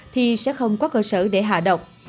thì sẽ không có cơ sở để hạ độc